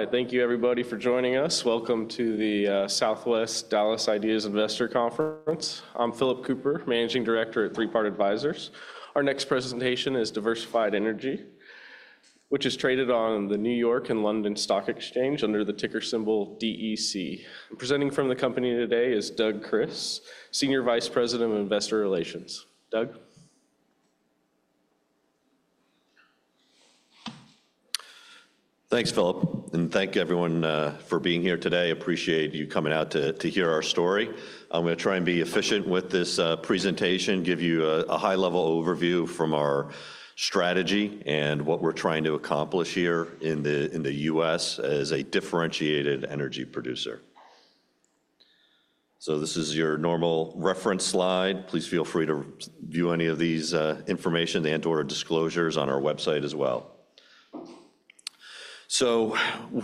All right. Thank you, everybody, for joining us. Welcome to the Southwest Dallas Ideas Investor Conference. I'm Philip Cooper, Managing Director at Three Part Advisors. Our next presentation is Diversified Energy, which is traded on the New York and London Stock Exchange under the ticker symbol DEC. Presenting from the company today is Doug Kris, Senior Vice President of Investor Relations. Doug. Thanks, Philip, and thank you, everyone, for being here today. Appreciate you coming out to hear our story. I'm going to try and be efficient with this presentation, give you a high-level overview from our strategy and what we're trying to accomplish here in the U.S. as a differentiated energy producer. So this is your normal reference slide. Please feel free to view any of this information and/or disclosures on our website as well. So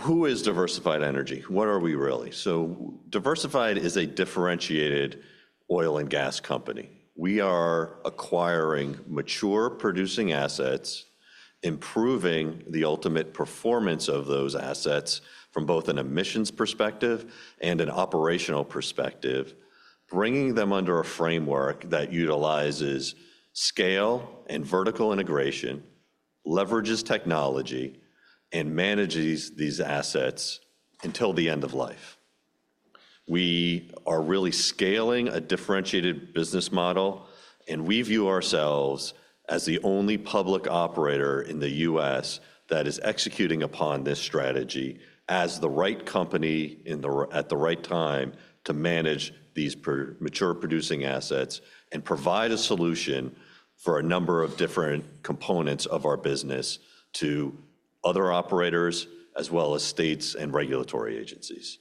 who is Diversified Energy? What are we really? So Diversified is a differentiated oil and gas company. We are acquiring mature producing assets, improving the ultimate performance of those assets from both an emissions perspective and an operational perspective, bringing them under a framework that utilizes scale and vertical integration, leverages technology, and manages these assets until the end of life. We are really scaling a differentiated business model, and we view ourselves as the only public operator in the U.S. that is executing upon this strategy as the right company at the right time to manage these mature producing assets and provide a solution for a number of different components of our business to other operators, as well as states and regulatory agencies.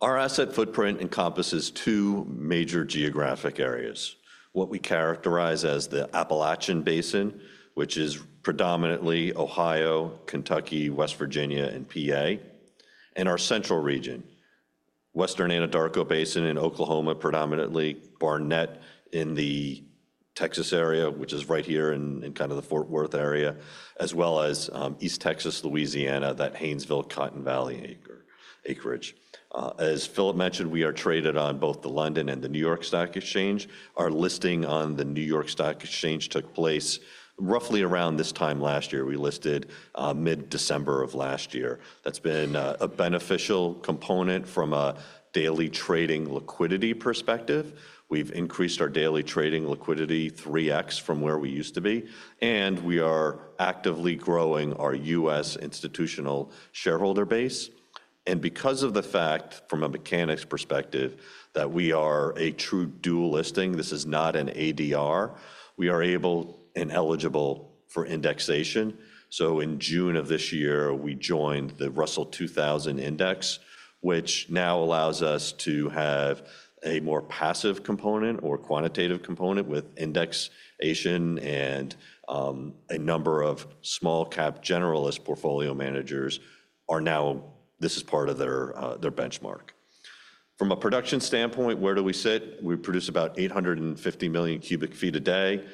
Our asset footprint encompasses two major geographic areas: what we characterize as the Appalachian Basin, which is predominantly Ohio, Kentucky, West Virginia, and PA, and our central region, Western Anadarko Basin in Oklahoma, predominantly Barnett in the Texas area, which is right here in kind of the Fort Worth area, as well as East Texas, Louisiana, that Haynesville-Cotton Valley acreage. As Philip mentioned, we are traded on both the London and the New York Stock Exchange. Our listing on the New York Stock Exchange took place roughly around this time last year. We listed mid-December of last year. That's been a beneficial component from a daily trading liquidity perspective. We've increased our daily trading liquidity 3x from where we used to be, and we are actively growing our U.S. institutional shareholder base, and because of the fact, from a mechanics perspective, that we are a true dual listing, this is not an ADR, we are able and eligible for indexation, so in June of this year, we joined the Russell 2000 Index, which now allows us to have a more passive component or quantitative component with indexation, and a number of small-cap generalist portfolio managers are now, this is part of their benchmark. From a production standpoint, where do we sit? We produce about 850 million cubic feet a day.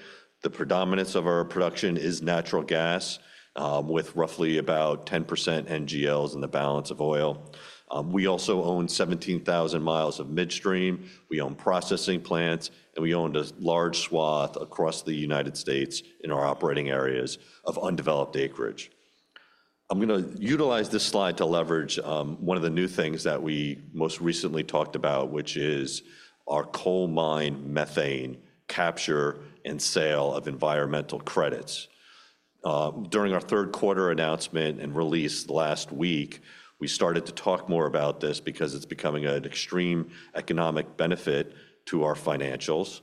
The predominance of our production is natural gas, with roughly about 10% NGLs in the balance of oil. We also own 17,000 miles of midstream. We own processing plants, and we own a large swath across the United States in our operating areas of undeveloped acreage. I'm going to utilize this slide to leverage one of the new things that we most recently talked about, which is our coal mine methane capture and sale of environmental credits. During our third quarter announcement and release last week, we started to talk more about this because it's becoming an extreme economic benefit to our financials.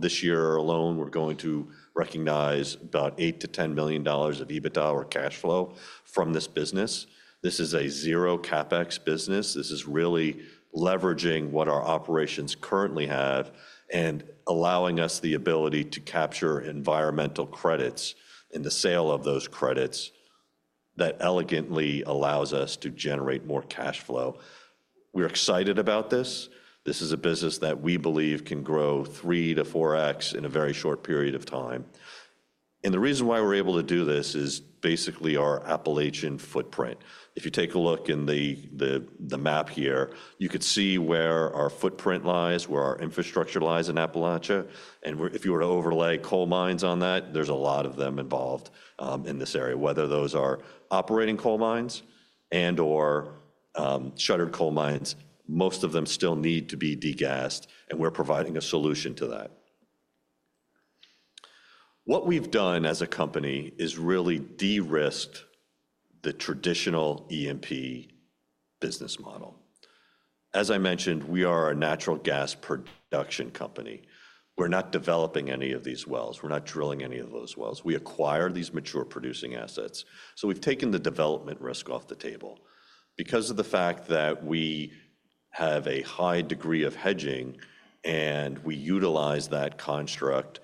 This year alone, we're going to recognize about $8 million-$10 million of EBITDA or cash flow from this business. This is a zero-CapEx business. This is really leveraging what our operations currently have and allowing us the ability to capture environmental credits and the sale of those credits that elegantly allows us to generate more cash flow. We're excited about this. This is a business that we believe can grow 3x-4x in a very short period of time. The reason why we're able to do this is basically our Appalachian footprint. If you take a look in the map here, you could see where our footprint lies, where our infrastructure lies in Appalachia. If you were to overlay coal mines on that, there's a lot of them involved in this area, whether those are operating coal mines and/or shuttered coal mines. Most of them still need to be degassed, and we're providing a solution to that. What we've done as a company is really de-risked the traditional E&P business model. As I mentioned, we are a natural gas production company. We're not developing any of these wells. We're not drilling any of those wells. We acquire these mature producing assets. So we've taken the development risk off the table because of the fact that we have a high degree of hedging, and we utilize that construct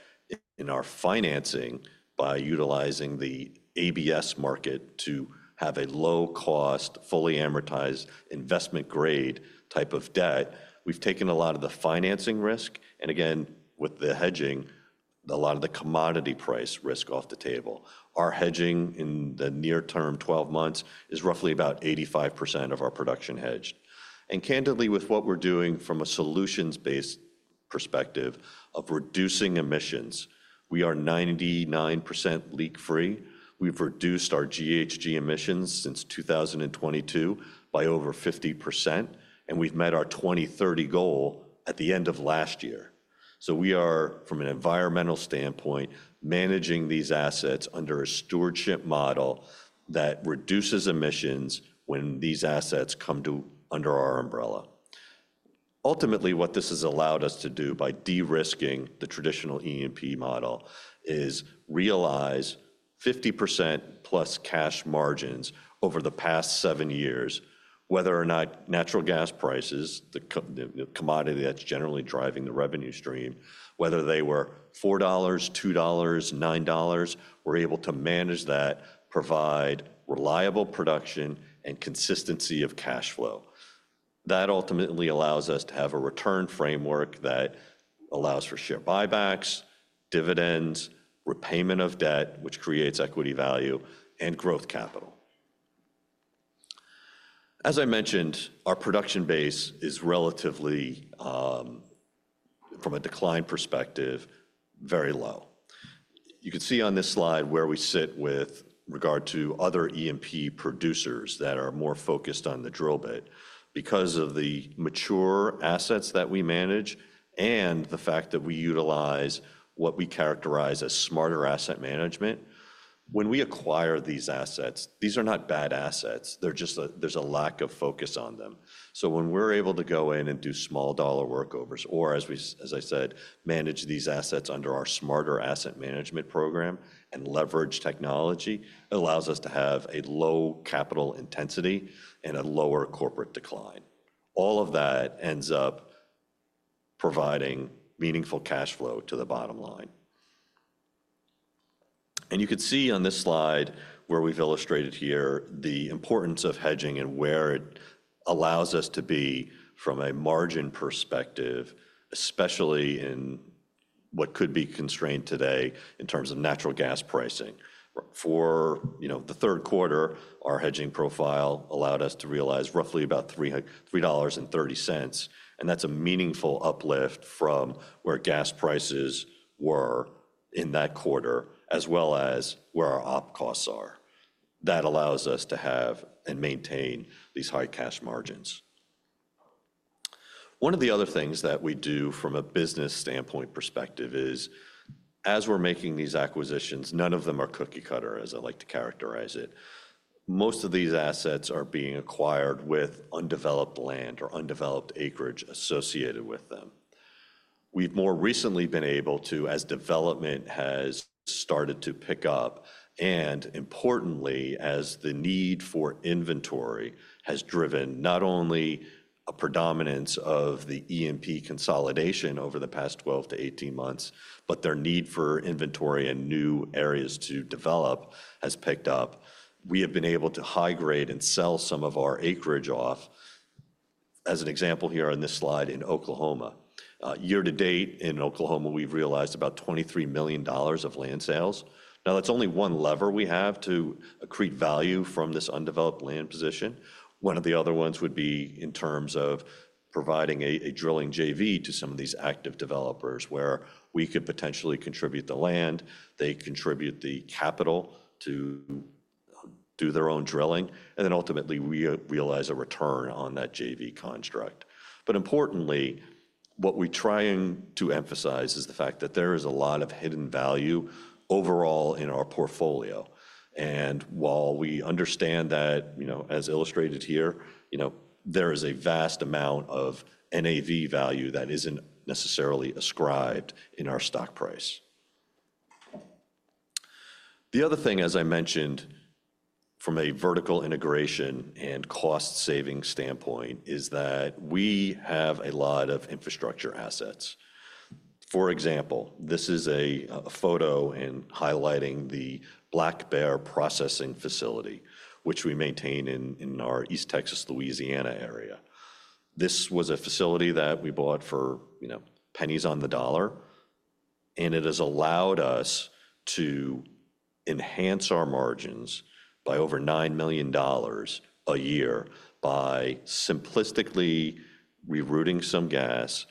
in our financing by utilizing the ABS market to have a low-cost, fully amortized investment-grade type of debt. We've taken a lot of the financing risk, and again, with the hedging, a lot of the commodity price risk off the table. Our hedging in the near term, 12 months, is roughly about 85% of our production hedged, and candidly, with what we're doing from a solutions-based perspective of reducing emissions, we are 99% leak-free. We've reduced our GHG emissions since 2022 by over 50%, and we've met our 2030 goal at the end of last year. So we are, from an environmental standpoint, managing these assets under a stewardship model that reduces emissions when these assets come under our umbrella. Ultimately, what this has allowed us to do by de-risking the traditional E&P model is realize 50% plus cash margins over the past seven years, whether or not natural gas prices, the commodity that's generally driving the revenue stream, whether they were $4, $2, $9, we're able to manage that, provide reliable production, and consistency of cash flow. That ultimately allows us to have a return framework that allows for share buybacks, dividends, repayment of debt, which creates equity value, and growth capital. As I mentioned, our production base is relatively, from a decline perspective, very low. You can see on this slide where we sit with regard to other E&P producers that are more focused on the drill bit. Because of the mature assets that we manage and the fact that we utilize what we characterize as Smarter Asset Management, when we acquire these assets, these are not bad assets. There's a lack of focus on them. So when we're able to go in and do small-dollar workovers, or as I said, manage these assets under our Smarter Asset Management program and leverage technology, it allows us to have a low capital intensity and a lower corporate decline. All of that ends up providing meaningful cash flow to the bottom line. You could see on this slide where we've illustrated here the importance of hedging and where it allows us to be from a margin perspective, especially in what could be constrained today in terms of natural gas pricing. For the third quarter, our hedging profile allowed us to realize roughly about $3.30, and that's a meaningful uplift from where gas prices were in that quarter, as well as where our op costs are. That allows us to have and maintain these high cash margins. One of the other things that we do from a business standpoint perspective is, as we're making these acquisitions, none of them are cookie cutter, as I like to characterize it. Most of these assets are being acquired with undeveloped land or undeveloped acreage associated with them. We've more recently been able to, as development has started to pick up, and importantly, as the need for inventory has driven not only a predominance of the E&P consolidation over the past 12-18 months, but their need for inventory and new areas to develop has picked up. We have been able to high-grade and sell some of our acreage off, as an example here on this slide, in Oklahoma. Year to date in Oklahoma, we've realized about $23 million of land sales. Now, that's only one lever we have to accrete value from this undeveloped land position. One of the other ones would be in terms of providing a drilling JV to some of these active developers where we could potentially contribute the land, they contribute the capital to do their own drilling, and then ultimately we realize a return on that JV construct. But importantly, what we try to emphasize is the fact that there is a lot of hidden value overall in our portfolio. And while we understand that, as illustrated here, there is a vast amount of NAV value that isn't necessarily ascribed in our stock price. The other thing, as I mentioned, from a vertical integration and cost-saving standpoint, is that we have a lot of infrastructure assets. For example, this is a photo in highlighting the Black Bear Processing Facility, which we maintain in our East Texas, Louisiana area. This was a facility that we bought for pennies on the dollar, and it has allowed us to enhance our margins by over $9 million a year by simplistically rerouting some gas,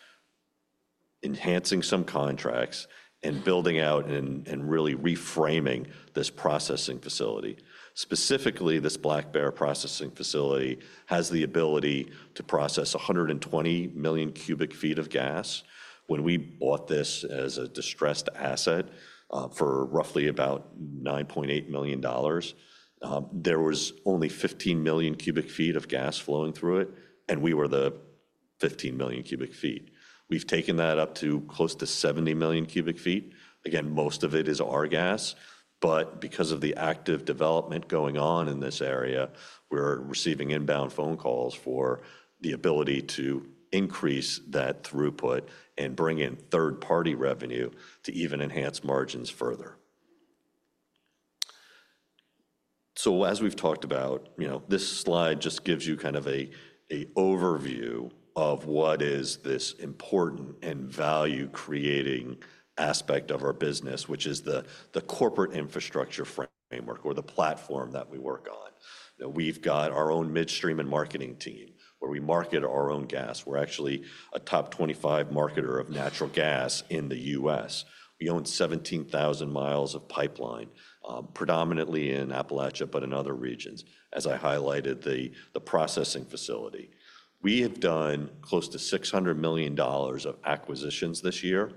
enhancing some contracts, and building out and really reframing this processing facility. Specifically, this Black Bear Processing Facility has the ability to process 120 million cu ft of gas. When we bought this as a distressed asset for roughly about $9.8 million, there was only 15 million cu ft of gas flowing through it, and we were the 15 million cu ft. We've taken that up to close to 70 million cu ft. Again, most of it is our gas, but because of the active development going on in this area, we're receiving inbound phone calls for the ability to increase that throughput and bring in third-party revenue to even enhance margins further. So as we've talked about, this slide just gives you kind of an overview of what is this important and value-creating aspect of our business, which is the corporate infrastructure framework or the platform that we work on. We've got our own midstream and marketing team where we market our own gas. We're actually a top 25 marketer of natural gas in the U.S. We own 17,000 mi of pipeline, predominantly in Appalachia, but in other regions, as I highlighted, the processing facility. We have done close to $600 million of acquisitions this year,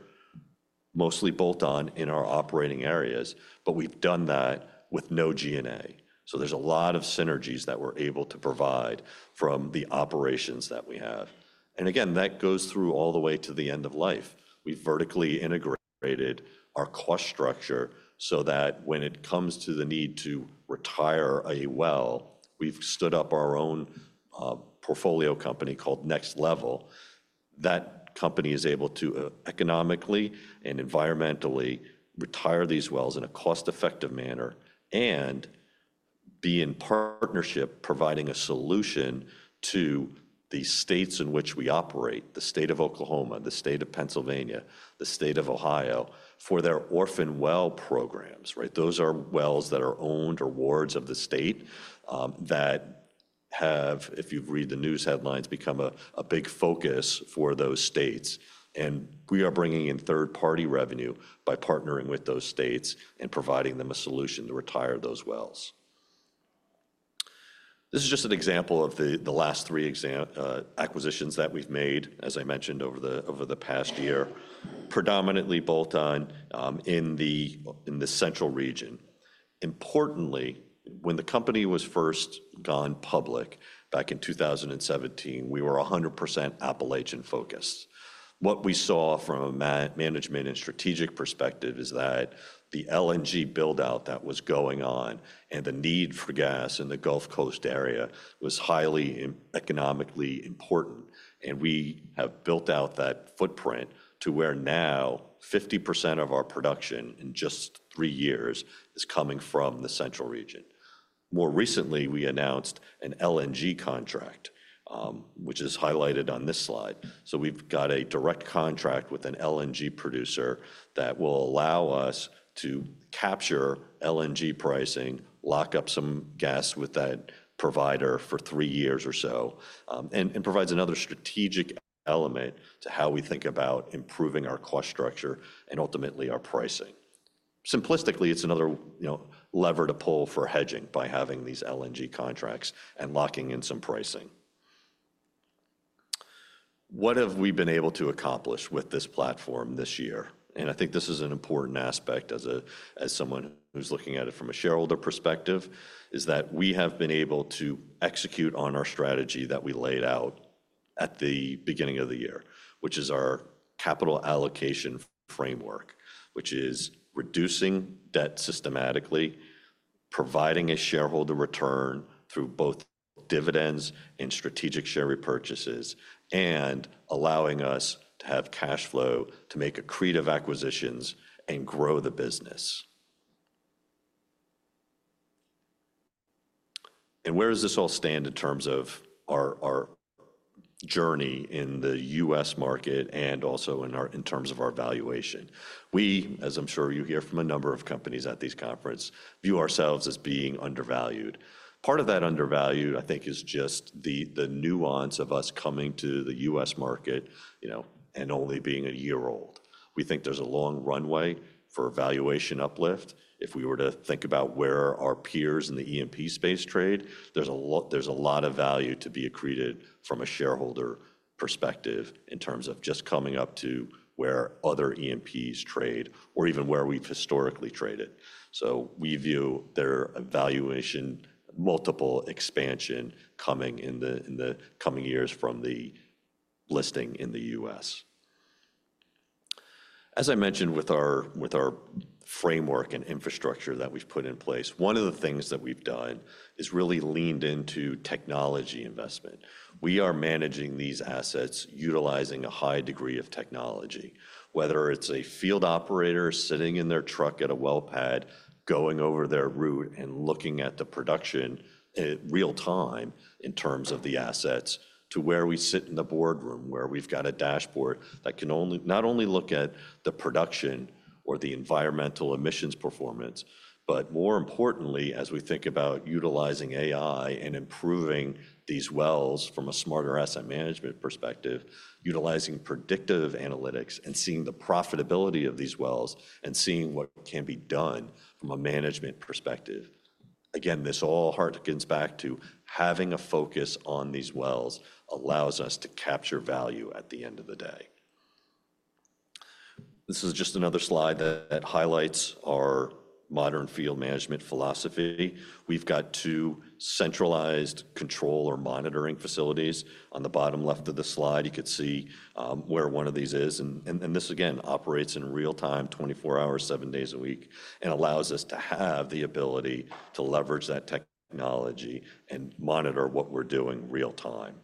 mostly bolt-on in our operating areas, but we've done that with no G&A. So there's a lot of synergies that we're able to provide from the operations that we have. And again, that goes through all the way to the end of life. We've vertically integrated our cost structure so that when it comes to the need to retire a well, we've stood up our own portfolio company called Next LVL. That company is able to economically and environmentally retire these wells in a cost-effective manner and be in partnership, providing a solution to the states in which we operate, the state of Oklahoma, the state of Pennsylvania, the state of Ohio, for their orphan well programs. Those are wells that are owned or wards of the state that have, if you read the news headlines, become a big focus for those states. And we are bringing in third-party revenue by partnering with those states and providing them a solution to retire those wells. This is just an example of the last three acquisitions that we've made, as I mentioned, over the past year, predominantly bolt-on in the central region. Importantly, when the company was first went public back in 2017, we were 100% Appalachian-focused. What we saw from a management and strategic perspective is that the LNG buildout that was going on and the need for gas in the Gulf Coast area was highly economically important, and we have built out that footprint to where now 50% of our production in just three years is coming from the central region. More recently, we announced an LNG contract, which is highlighted on this slide, so we've got a direct contract with an LNG producer that will allow us to capture LNG pricing, lock up some gas with that provider for three years or so, and provides another strategic element to how we think about improving our cost structure and ultimately our pricing. Simplistically, it's another lever to pull for hedging by having these LNG contracts and locking in some pricing. What have we been able to accomplish with this platform this year? I think this is an important aspect as someone who's looking at it from a shareholder perspective: that we have been able to execute on our strategy that we laid out at the beginning of the year, which is our capital allocation framework, which is reducing debt systematically, providing a shareholder return through both dividends and strategic share repurchases, and allowing us to have cash flow to make accretive acquisitions and grow the business. Where does this all stand in terms of our journey in the U.S. market and also in terms of our valuation? We, as I'm sure you hear from a number of companies at these conferences, view ourselves as being undervalued. Part of that undervaluation, I think, is just the nuance of us coming to the U.S. market and only being a year old. We think there's a long runway for valuation uplift. If we were to think about where our peers in the E&P space trade, there's a lot of value to be accreted from a shareholder perspective in terms of just coming up to where other E&Ps trade or even where we've historically traded, so we view there a valuation multiple expansion coming in the coming years from the listing in the U.S. As I mentioned, with our framework and infrastructure that we've put in place, one of the things that we've done is really leaned into technology investment. We are managing these assets utilizing a high degree of technology, whether it's a field operator sitting in their truck at a well pad, going over their route and looking at the production in real time in terms of the assets to where we sit in the boardroom where we've got a dashboard that can not only look at the production or the environmental emissions performance, but more importantly, as we think about utilizing AI and improving these wells from a smarter asset management perspective, utilizing predictive analytics and seeing the profitability of these wells and seeing what can be done from a management perspective. Again, this all hearkens back to having a focus on these wells allows us to capture value at the end of the day. This is just another slide that highlights our modern field management philosophy. We've got two centralized control or monitoring facilities. On the bottom left of the slide, you could see where one of these is, and this, again, operates in real time, 24 hours, seven days a week, and allows us to have the ability to leverage that technology and monitor what we're doing real time.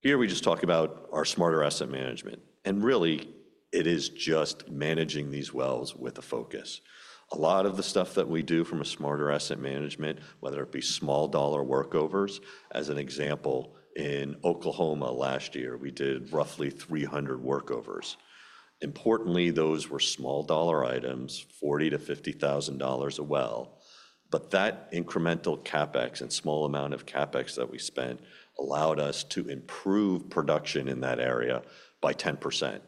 Here we just talk about our smarter asset management, and really, it is just managing these wells with a focus. A lot of the stuff that we do from a smarter asset management, whether it be small-dollar workovers, as an example, in Oklahoma last year, we did roughly 300 workovers. Importantly, those were small-dollar items, $40,000-$50,000 a well, but that incremental CapEx and small amount of CapEx that we spent allowed us to improve production in that area by 10%.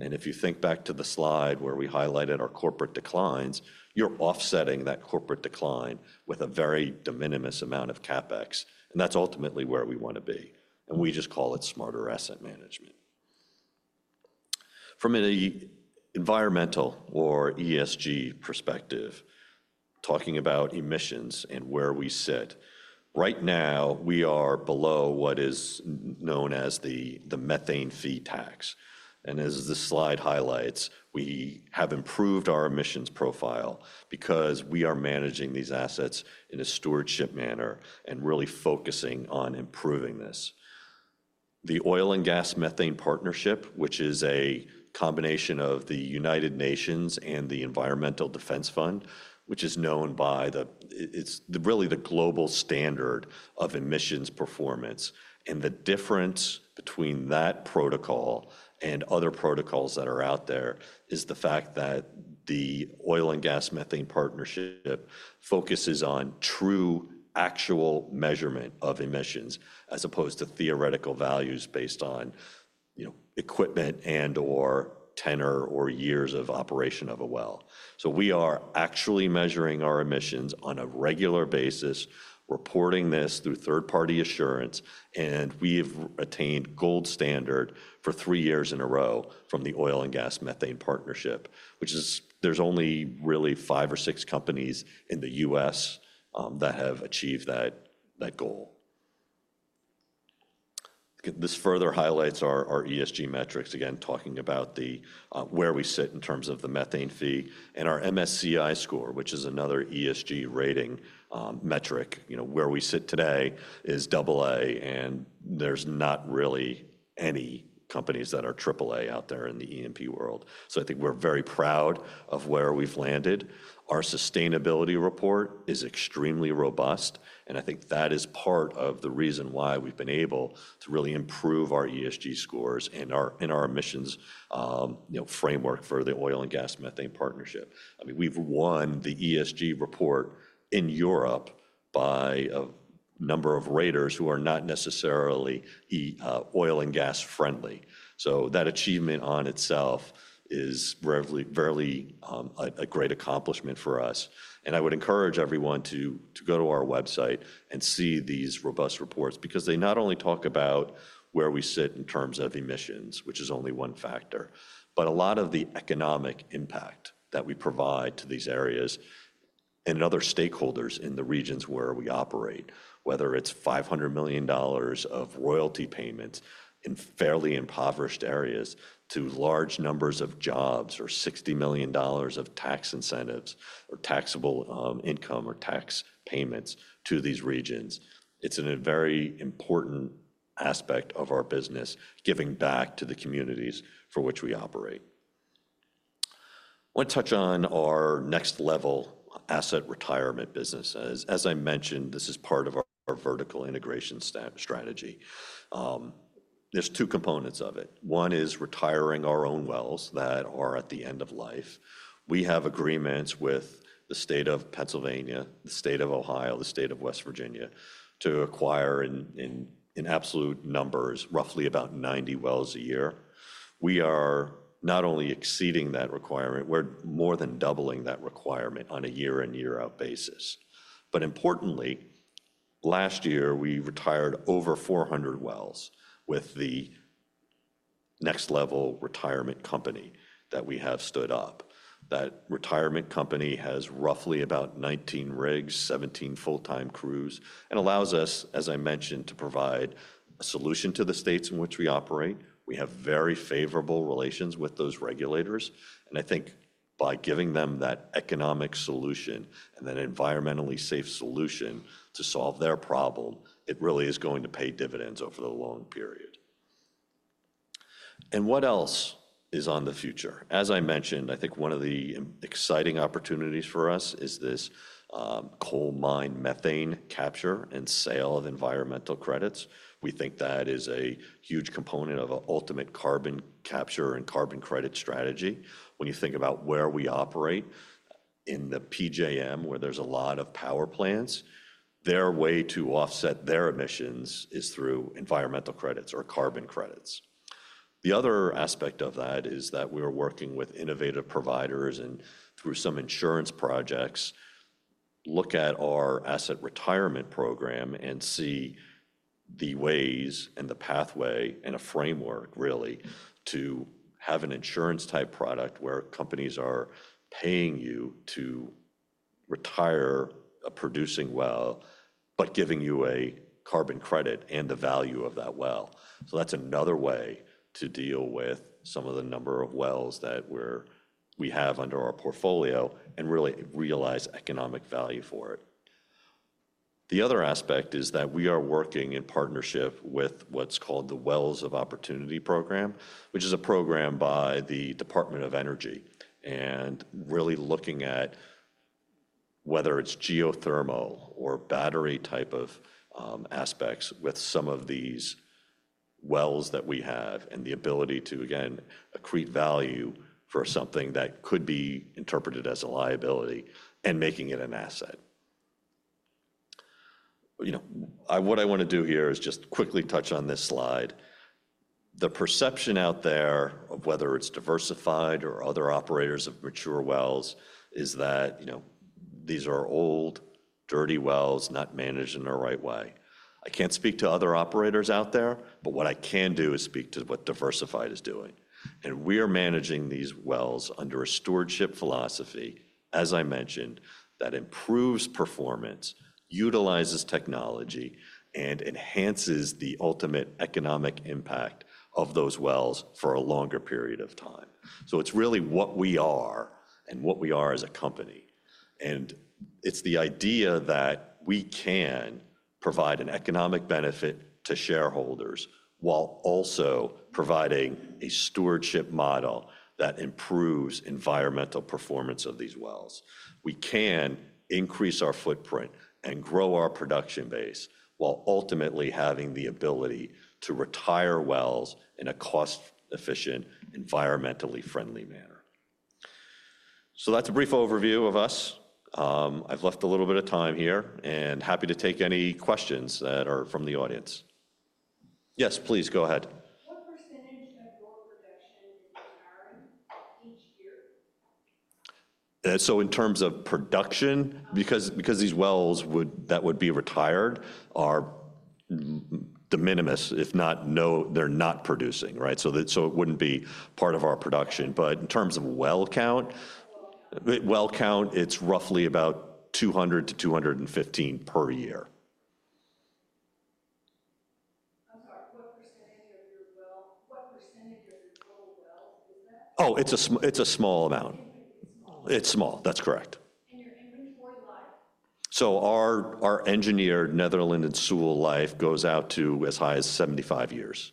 And if you think back to the slide where we highlighted our corporate declines, you're offsetting that corporate decline with a very de minimis amount of CapEx. And that's ultimately where we want to be. And we just call it Smarter Asset Management. From an environmental or ESG perspective, talking about emissions and where we sit, right now we are below what is known as the Methane Fee Tax. And as the slide highlights, we have improved our emissions profile because we are managing these assets in a stewardship manner and really focusing on improving this. The Oil and Gas Methane Partnership, which is a combination of the United Nations and the Environmental Defense Fund, which is known by the, it's really the global standard of emissions performance. The difference between that protocol and other protocols that are out there is the fact that the Oil and Gas Methane Partnership focuses on true actual measurement of emissions as opposed to theoretical values based on equipment and/or tenure or years of operation of a well. So we are actually measuring our emissions on a regular basis, reporting this through third-party assurance, and we have attained Gold Standard for three years in a row from the Oil and Gas Methane Partnership, which is, there's only really five or six companies in the U.S. that have achieved that goal. This further highlights our ESG metrics, again, talking about where we sit in terms of the methane fee and our MSCI score, which is another ESG rating metric. Where we sit today is AA, and there's not really any companies that are AAA out there in the E&P world. So I think we're very proud of where we've landed. Our sustainability report is extremely robust, and I think that is part of the reason why we've been able to really improve our ESG scores and our emissions framework for the Oil and Gas Methane Partnership. I mean, we've won the ESG report in Europe by a number of raters who are not necessarily oil and gas friendly. So that achievement on itself is fairly a great accomplishment for us. I would encourage everyone to go to our website and see these robust reports because they not only talk about where we sit in terms of emissions, which is only one factor, but a lot of the economic impact that we provide to these areas and other stakeholders in the regions where we operate, whether it's $500 million of royalty payments in fairly impoverished areas to large numbers of jobs or $60 million of tax incentives or taxable income or tax payments to these regions. It's a very important aspect of our business, giving back to the communities for which we operate. I want to touch on our Next LVL asset retirement business. As I mentioned, this is part of our vertical integration strategy. There's two components of it. One is retiring our own wells that are at the end of life. We have agreements with the state of Pennsylvania, the state of Ohio, the state of West Virginia to acquire in absolute numbers roughly about 90 wells a year. We are not only exceeding that requirement; we're more than doubling that requirement on a year-in-year-out basis. Importantly, last year we retired over 400 wells with the Next LVL retirement company that we have stood up. That retirement company has roughly about 19 rigs, 17 full-time crews, and allows us, as I mentioned, to provide a solution to the states in which we operate. We have very favorable relations with those regulators. I think by giving them that economic solution and that environmentally safe solution to solve their problem, it really is going to pay dividends over the long period. What else is on the future? As I mentioned, I think one of the exciting opportunities for us is this coal mine methane capture and sale of environmental credits. We think that is a huge component of an ultimate carbon capture and carbon credit strategy. When you think about where we operate in the PJM, where there's a lot of power plants, their way to offset their emissions is through environmental credits or carbon credits. The other aspect of that is that we are working with innovative providers and through some insurance projects. Look at our asset retirement program and see the ways and the pathway and a framework, really, to have an insurance-type product where companies are paying you to retire a producing well but giving you a carbon credit and the value of that well. So that's another way to deal with some of the number of wells that we have under our portfolio and really realize economic value for it. The other aspect is that we are working in partnership with what's called the Wells of Opportunity Program, which is a program by the Department of Energy and really looking at whether it's geothermal or battery type of aspects with some of these wells that we have and the ability to, again, accrete value for something that could be interpreted as a liability and making it an asset. What I want to do here is just quickly touch on this slide. The perception out there of whether it's Diversified or other operators of mature wells is that these are old, dirty wells, not managed in the right way. I can't speak to other operators out there, but what I can do is speak to what Diversified is doing, and we are managing these wells under a stewardship philosophy, as I mentioned, that improves performance, utilizes technology, and enhances the ultimate economic impact of those wells for a longer period of time, so it's really what we are and what we are as a company, and it's the idea that we can provide an economic benefit to shareholders while also providing a stewardship model that improves environmental performance of these wells. We can increase our footprint and grow our production base while ultimately having the ability to retire wells in a cost-efficient, environmentally friendly manner, so that's a brief overview of us. I've left a little bit of time here, and happy to take any questions that are from the audience. Yes, please go ahead. So in terms of production, because these wells that would be retired are de minimis, if not, they're not producing, right? So it wouldn't be part of our production. But in terms of well count, well count, it's roughly about 200-215 per year. Oh, it's a small amount. It's small. That's correct. So our engineered, Netherland and Sewell life goes out to as high as 75 years.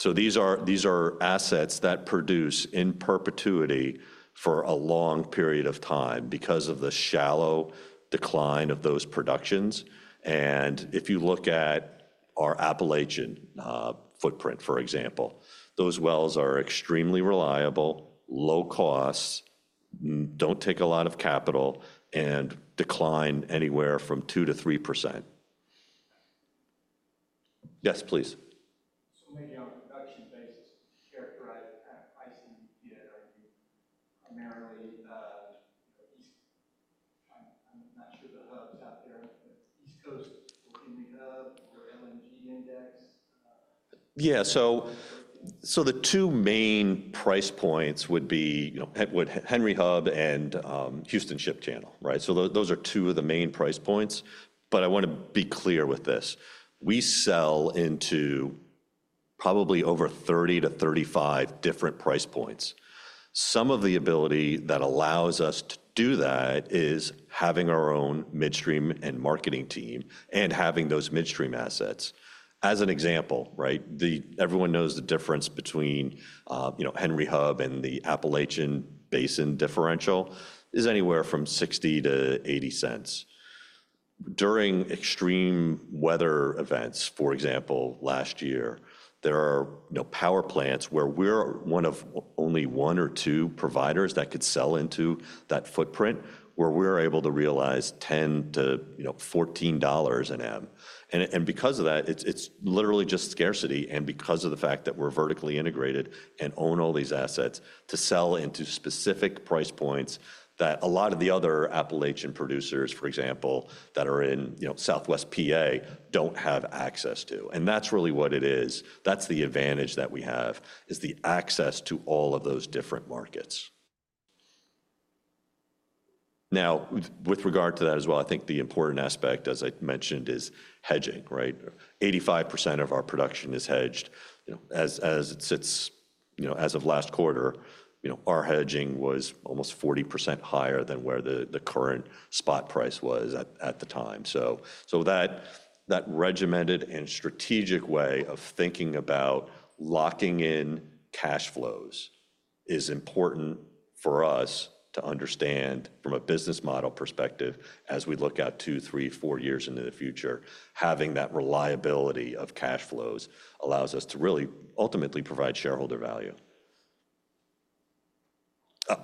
So these are assets that produce in perpetuity for a long period of time because of the shallow decline of those productions. And if you look at our Appalachian footprint, for example, those wells are extremely reliable, low costs, don't take a lot of capital, and decline anywhere from 2%-3%. Yes, please. Yeah. So the two main price points would be Henry Hub and Houston Ship Channel, right? So those are two of the main price points. But I want to be clear with this. We sell into probably over 30-35 different price points. Some of the ability that allows us to do that is having our own midstream and marketing team and having those midstream assets. As an example, right? Everyone knows the difference between Henry Hub and the Appalachian Basin differential is anywhere from $0.60-$0.80. During extreme weather events, for example, last year, there are power plants where we're one of only one or two providers that could sell into that footprint where we're able to realize $10-$14 an M. And because of that, it's literally just scarcity because of the fact that we're vertically integrated and own all these assets to sell into specific price points that a lot of the other Appalachian producers, for example, that are in Southwest PA don't have access to. That's really what it is. That's the advantage that we have is the access to all of those different markets. Now, with regard to that as well, I think the important aspect, as I mentioned, is hedging, right? 85% of our production is hedged. As it sits as of last quarter, our hedging was almost 40% higher than where the current spot price was at the time. So that regimented and strategic way of thinking about locking in cash flows is important for us to understand from a business model perspective as we look at two, three, four years into the future. Having that reliability of cash flows allows us to really ultimately provide shareholder value.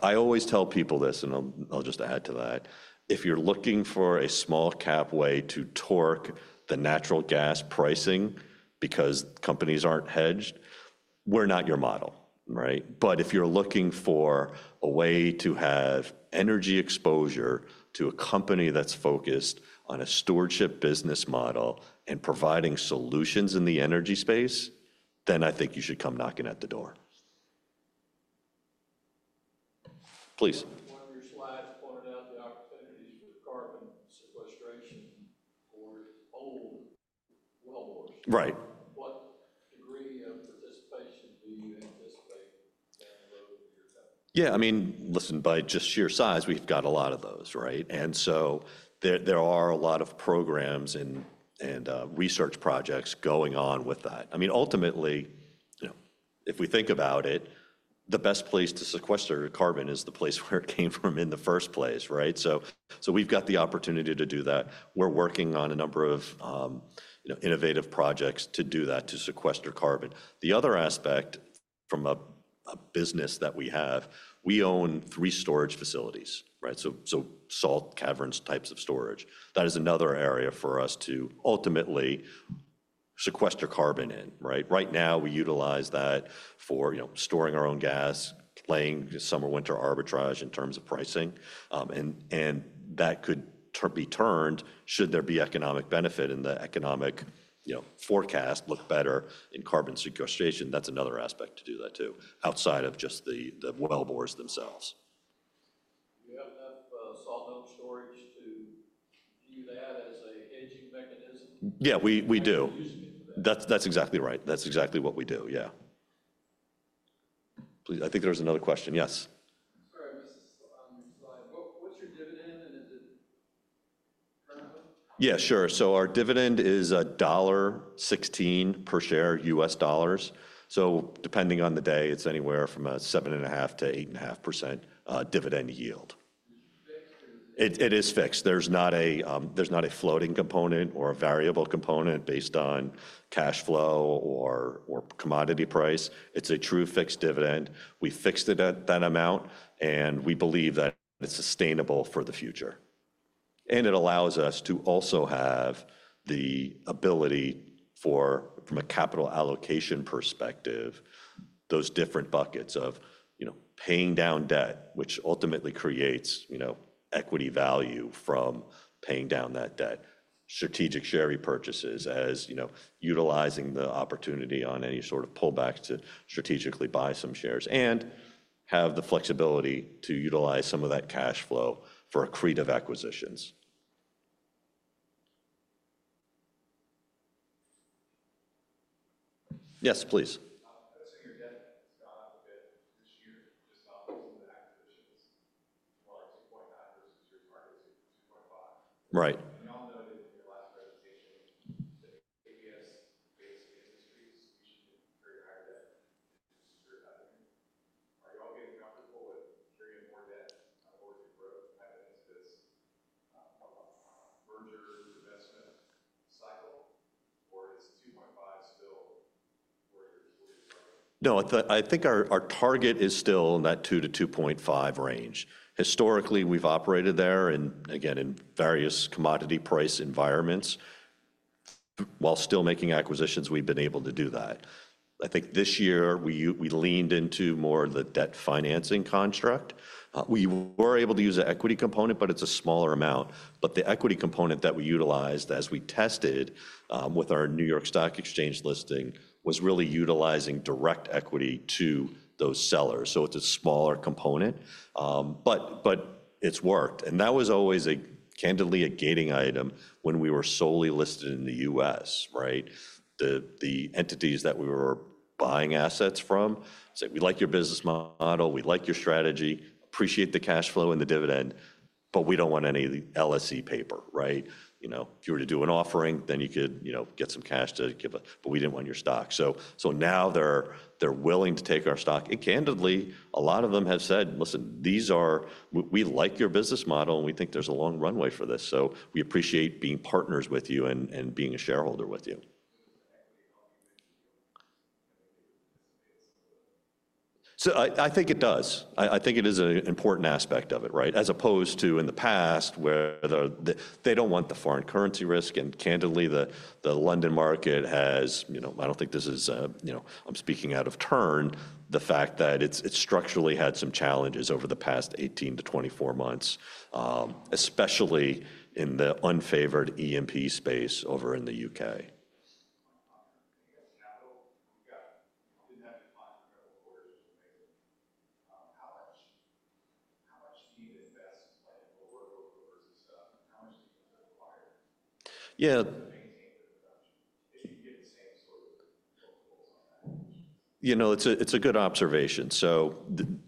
I always tell people this, and I'll just add to that. If you're looking for a small-cap way to torque the natural gas pricing because companies aren't hedged, we're not your model, right? But if you're looking for a way to have energy exposure to a company that's focused on a stewardship business model and providing solutions in the energy space, then I think you should come knocking at the door. Please. One of your slides pointed out the opportunities for carbon sequestration for old wellbores. Yeah. I mean, listen, by just sheer size, we've got a lot of those, right? And so there are a lot of programs and research projects going on with that. I mean, ultimately, if we think about it, the best place to sequester carbon is the place where it came from in the first place, right? So we've got the opportunity to do that. We're working on a number of innovative projects to do that, to sequester carbon. The other aspect from a business that we have, we own three storage facilities, right? So salt caverns types of storage. That is another area for us to ultimately sequester carbon in, right? Right now, we utilize that for storing our own gas, playing summer-winter arbitrage in terms of pricing, and that could be turned should there be economic benefit and the economic forecast look better in carbon sequestration. That's another aspect to do that too, outside of just the wellbores themselves. Do you have enough salt dome storage to view that as a hedging mechanism? Yeah, we do. That's exactly right. That's exactly what we do, yeah. Please, I think there was another question. Yes. Yeah, sure. So our dividend is $1.16 per share, US dollars. So depending on the day, it's anywhere from a 7.5%-8.5% dividend yield. It is fixed. There's not a floating component or a variable component based on cash flow or commodity price. It's a true fixed dividend. We fixed it at that amount, and we believe that it's sustainable for the future, and it allows us to also have the ability for, from a capital allocation perspective, those different buckets of paying down debt, which ultimately creates equity value from paying down that debt, strategic share repurchases as utilizing the opportunity on any sort of pullback to strategically buy some shares, and have the flexibility to utilize some of that cash flow for accretive acquisitions. Yes, please. Right, and y'all noted in your last presentation that ABS financing, we should incur higher debt to secure revenue. Are y'all getting comfortable with carrying more debt on a more growth type of instance of a merger investment cycle, or is 2.5 still where you're targeting? No, I think our target is still in that 2-2.5 range. Historically, we've operated there, and again, in various commodity price environments. While still making acquisitions, we've been able to do that. I think this year we leaned into more of the debt financing construct. We were able to use an equity component, but it's a smaller amount. But the equity component that we utilized as we tested with our New York Stock Exchange listing was really utilizing direct equity to those sellers. So it's a smaller component, but it's worked. And that was always, candidly, a gating item when we were solely listed in the U.S., right? The entities that we were buying assets from said, "We like your business model. We like your strategy. Appreciate the cash flow and the dividend, but we don't want any LSE paper," right? If you were to do an offering, then you could get some cash to give a, "But we didn't want your stock." So now they're willing to take our stock. And candidly, a lot of them have said, "Listen, we like your business model, and we think there's a long runway for this. So we appreciate being partners with you and being a shareholder with you." So I think it does. I think it is an important aspect of it, right? As opposed to in the past where they don't want the foreign currency risk. Candidly, the London market has. I don't think this is. I'm speaking out of turn. The fact that it's structurally had some challenges over the past 18-24 months, especially in the unfavored E&P space over in the UK. I guess capital you've got didn't have to find the rebel orders to make them. How much do you invest in lower workers and stuff? How much do you require to maintain the production if you get the same sort of multiples on that? It's a good observation. So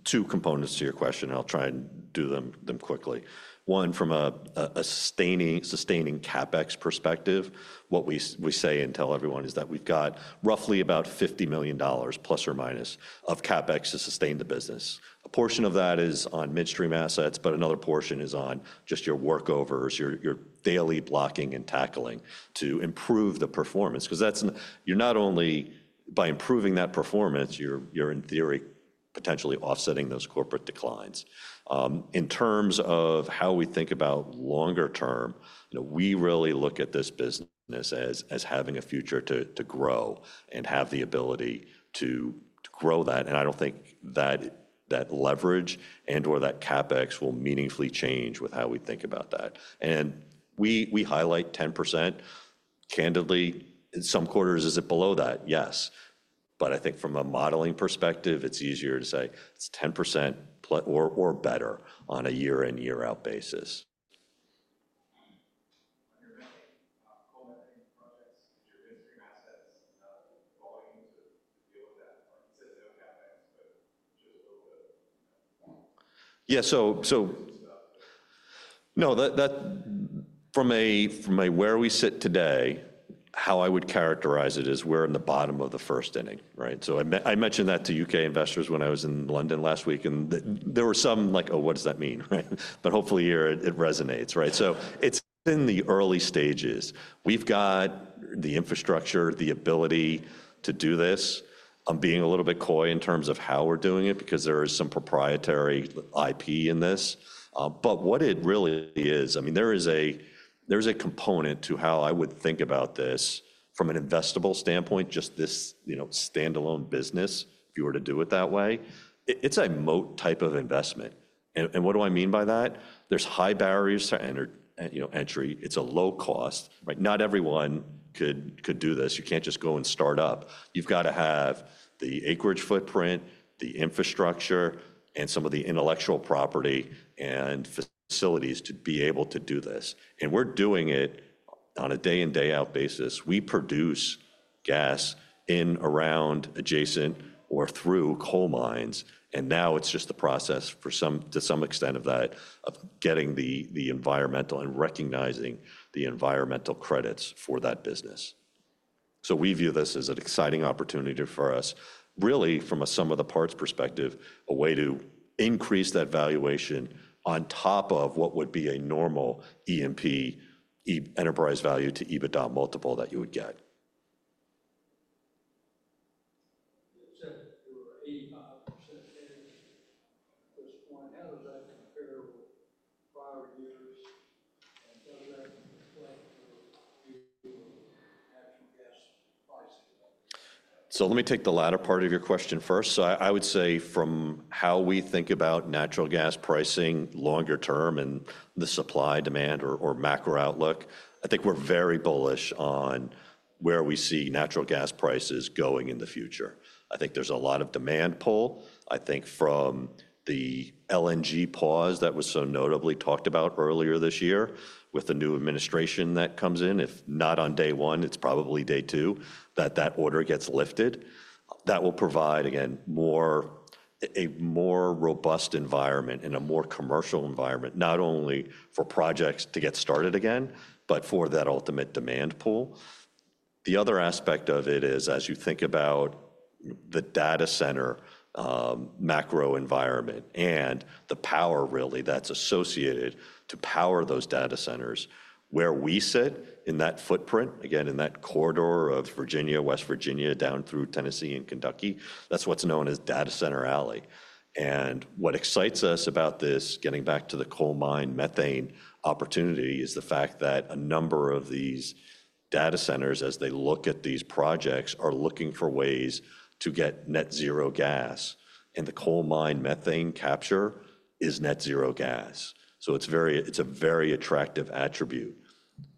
two components to your question, and I'll try and do them quickly. One, from a sustaining CapEx perspective, what we say and tell everyone is that we've got roughly about $50 million, plus or minus, of CapEx to sustain the business. A portion of that is on midstream assets, but another portion is on just your workovers, your daily blocking and tackling to improve the performance. Because you're not only, by improving that performance, you're, in theory, potentially offsetting those corporate declines. In terms of how we think about longer term, we really look at this business as having a future to grow and have the ability to grow that. And I don't think that leverage and/or that CapEx will meaningfully change with how we think about that. And we highlight 10%. Candidly, in some quarters, is it below that? Yes. But I think from a modeling perspective, it's easier to say it's 10% or better on a year-in-year-out basis. Are there any competing projects that your midstream assets going to deal with that? Like you said, no CapEx, but just a little bit of. Yeah. So no, from where we sit today, how I would characterize it is we're in the bottom of the first inning, right? So I mentioned that to U.K. investors when I was in London last week. And there were some like, "Oh, what does that mean?" Right? But hopefully, it resonates, right? So it's in the early stages. We've got the infrastructure, the ability to do this. I'm being a little bit coy in terms of how we're doing it because there is some proprietary IP in this. But what it really is, I mean, there is a component to how I would think about this from an investable standpoint, just this standalone business, if you were to do it that way. It's a moat type of investment. And what do I mean by that? There's high barriers to entry. It's a low cost, right? Not everyone could do this. You can't just go and start up. You've got to have the acreage footprint, the infrastructure, and some of the intellectual property and facilities to be able to do this. And we're doing it on a day-in-day-out basis. We produce gas in, around, adjacent, or through coal mines. And now it's just the process to some extent of that, of getting the environmental and recognizing the environmental credits for that business. So we view this as an exciting opportunity for us, really, from a sum-of-the-parts perspective, a way to increase that valuation on top of what would be a normal E&P enterprise value to EBITDA multiple that you would get. You said you were 85% in at this point. How does that compare with prior years? And does that reflect your view of natural gas pricing? So let me take the latter part of your question first. So I would say from how we think about natural gas pricing longer term and the supply demand or macro outlook, I think we're very bullish on where we see natural gas prices going in the future. I think there's a lot of demand pull. I think from the LNG pause that was so notably talked about earlier this year with the new administration that comes in, if not on day one, it's probably day two, that that order gets lifted. That will provide, again, a more robust environment and a more commercial environment, not only for projects to get started again, but for that ultimate demand pull. The other aspect of it is, as you think about the data center macro environment and the power really that's associated to power those data centers, where we sit in that footprint, again, in that corridor of Virginia, West Virginia, down through Tennessee and Kentucky, that's what's known as Data Center Alley. And what excites us about this, getting back to the Coal Mine Methane opportunity, is the fact that a number of these data centers, as they look at these projects, are looking for ways to get net zero gas. And the Coal Mine Methane capture is net zero gas. So it's a very attractive attribute.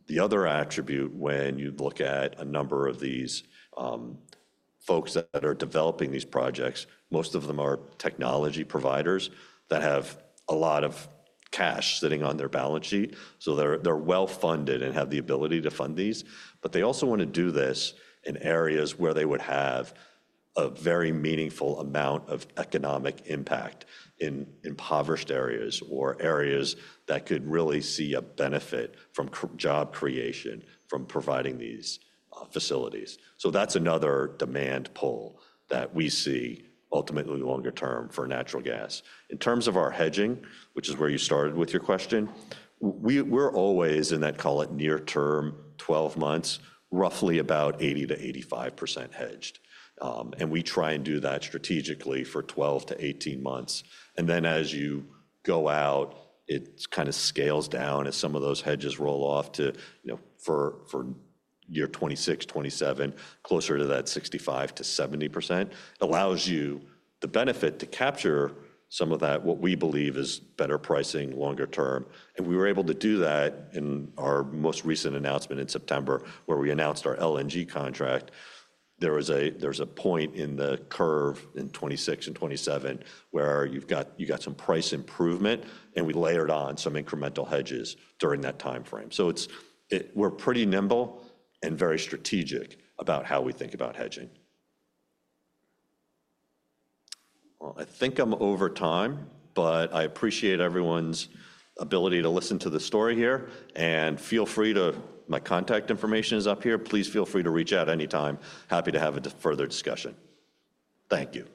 The other attribute, when you look at a number of these folks that are developing these projects, most of them are technology providers that have a lot of cash sitting on their balance sheet. They're well funded and have the ability to fund these. But they also want to do this in areas where they would have a very meaningful amount of economic impact in impoverished areas or areas that could really see a benefit from job creation from providing these facilities. That's another demand pull that we see ultimately longer term for natural gas. In terms of our hedging, which is where you started with your question, we're always in that, call it near-term, 12 months, roughly about 80%-85% hedged. We try and do that strategically for 12 to 18 months. Then as you go out, it kind of scales down as some of those hedges roll off to for year 2026, 2027, closer to that 65%-70%. It allows you the benefit to capture some of that, what we believe is better pricing longer term, and we were able to do that in our most recent announcement in September, where we announced our LNG contract. There's a point in the curve in 2026 and 2027 where you've got some price improvement, and we layered on some incremental hedges during that timeframe, so we're pretty nimble and very strategic about how we think about hedging. Well, I think I'm over time, but I appreciate everyone's ability to listen to the story here, and feel free to. My contact information is up here. Please feel free to reach out anytime. Happy to have a further discussion. Thank you.